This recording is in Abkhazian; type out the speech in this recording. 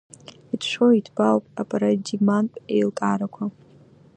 Иҭшәоуи иҭбаауп апарадигматә еилкаарақәа.